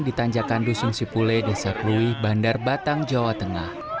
di tanjakan dusun sipule desa kluih bandar batang jawa tengah